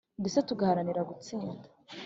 ndetse tugaharanira gutsinda